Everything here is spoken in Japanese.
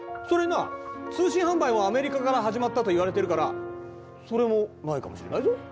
それにな通信販売もアメリカから始まったといわれてるからそれもないかもしれないぞ。